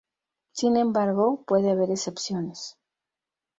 Sin embargo puede haber excepciones.